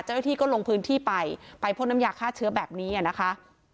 เจ้าหน้าที่ก็ลงพื้นที่ไปไปพ่นน้ำยาฆ่าเชื้อแบบนี้นะคะ